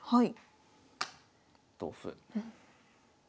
はい。